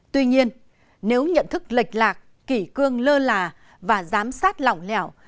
tuy nhiên nếu nhận thức lệch lạc kỷ cương lơ là và giám sát lỏng lẻo